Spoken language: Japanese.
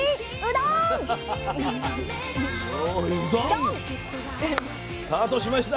どんっ！スタートしました。